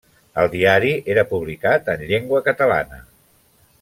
El diari era publicat en llengua catalana.